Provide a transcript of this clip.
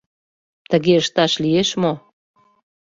— Тыге ышташ лиеш мо?